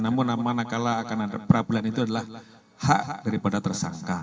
namun mana kala akan ada perapradilan itu adalah hak daripada tersangka